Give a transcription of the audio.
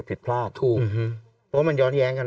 ผิดพลาด